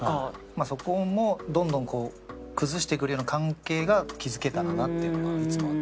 まあそこもどんどんこう崩してくれるような関係が築けたらなっていうのはいつもあって。